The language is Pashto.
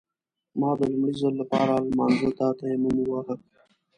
ما د لومړي ځل لپاره لمانځه ته تيمم وواهه.